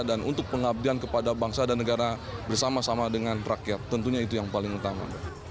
dan untuk pengabdian kepada bangsa dan negara bersama sama dengan rakyat tentunya itu yang paling utama